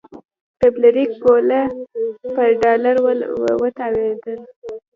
فلیریک ګوله په ډال وتاوله.